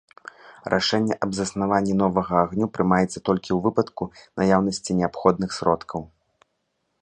Рашэнне аб заснаванні новага агню прымаецца толькі ў выпадку наяўнасці неабходных сродкаў.